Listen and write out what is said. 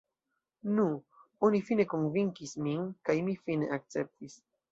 Nu, oni fine konvinkis min, kaj mi akceptis.